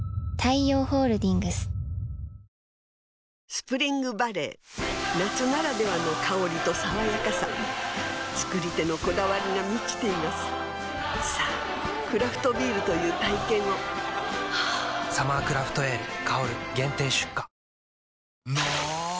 スプリングバレー夏ならではの香りと爽やかさ造り手のこだわりが満ちていますさぁクラフトビールという体験を「サマークラフトエール香」限定出荷の！